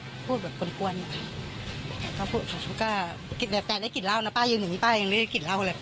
กล้วนกล้วนก็พูดแบบแต่ได้กลิ่นเล่านะป้ายิงหนึ่งนี้ป้ายังไม่ได้กลิ่นเล่าเลย